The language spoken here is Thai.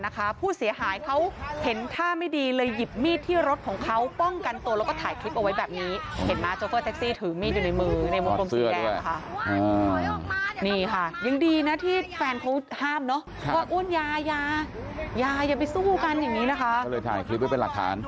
ก็เลยถ่ายคลิปให้เป็นหลักฐาน